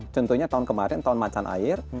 contohnya tahun kemarin tahun macan air